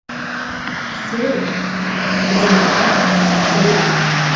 — Сеү, зинһар, сеү!..